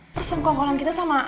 persempongkolan kita sama